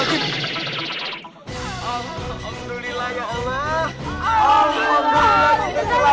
tidur juga dia